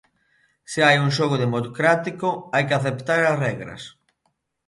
Se hai un xogo democrático hai que aceptar as regras.